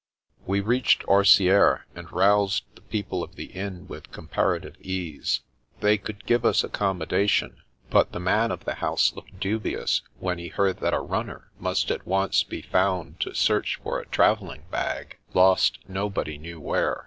We reached Orsieres and roused the people of the inn with comparative ease. They could give us ac commodation, but the man of the house looked dubious when he heard that a runner must at once be found to search for a travelling bag, lost nobody knew where.